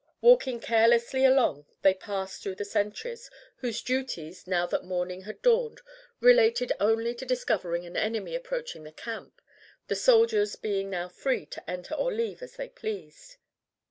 Walking carelessly along they passed through the sentries, whose duties, now that morning had dawned, related only to discovering an enemy approaching the camp, the soldiers being now free to enter or leave as they pleased.